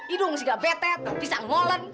idung juga betet pisang molen